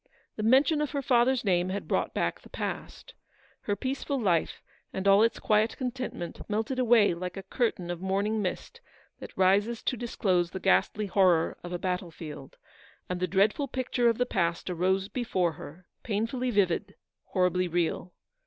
The mention of her father's name had brought back the past. Her peaceful life, and all its quiet contentment, melted > LAUXCELOT. 299 away like a curtain of morning mist that rises to disclose the ghastly horror of a battle field ; and the dreadful picture cf the past arose before her ; painfully vivid, horribly real.